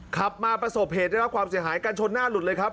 ขับมาประสบเหตุได้รับความเสียหายการชนหน้าหลุดเลยครับ